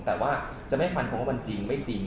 แต่ว่าจะไม่ฟันคำว่ามันจริงไม่จริง